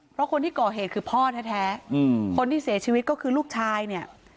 เพราะคนที่ก่อเหตุคือพ่อแท้คนที่เสียชีวิตก็คือลูกชายเนี่ย